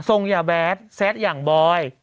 ส่งอย่าแบดแซสอย่างบ่อย